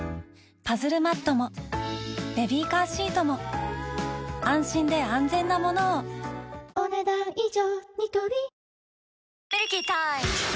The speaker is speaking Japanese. パズルマットもベビーカーシートも安心で安全なものをお、ねだん以上。